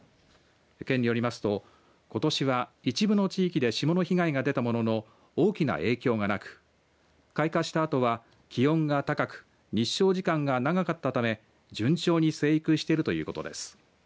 県によりますと、ことしは一部の地域で霜の被害が出たものの大きな影響がなく開花したあとは気温が高く日照時間が長かったため順調に生育しているということです。